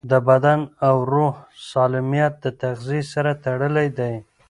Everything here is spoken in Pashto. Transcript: د بدن او روح سالمیت د تغذیې سره تړلی دی.